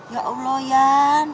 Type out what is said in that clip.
ya allah yan